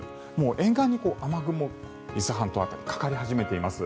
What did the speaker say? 沿岸に雨雲、伊豆半島辺りかかり始めています。